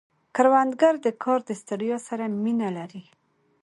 کروندګر د کار د ستړیا سره مینه لري